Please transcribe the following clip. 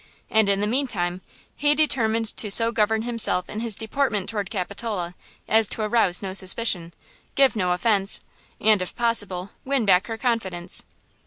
And in the mean time he determined to so govern himself in his deportment toward Capitola as to arouse no suspicion, give no offense and, if possible, win back her confidence.